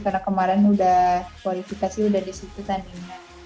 karena kemarin kualifikasi sudah di situ tandingnya